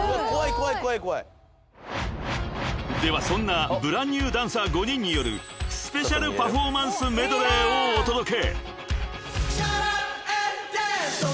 ［ではそんなブランニューダンサー５人によるスペシャルパフォーマンスメドレーをお届け！］